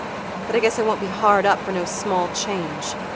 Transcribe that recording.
But I guess I won't be hard up for no small change.